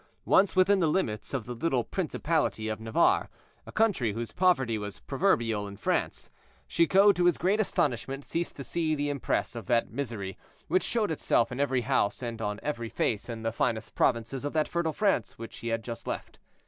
Once within the limits of the little principality of Navarre, a country whose poverty was proverbial in France, Chicot, to his great astonishment, ceased to see the impress of that misery which showed itself in every house and on every face in the finest provinces of that fertile France which he had just left.